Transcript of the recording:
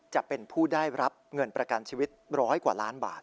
จะเป็นผู้ได้รับเงินประกันชีวิตร้อยกว่าล้านบาท